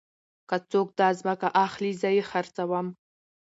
که څوک داځمکه اخلي زه يې خرڅوم.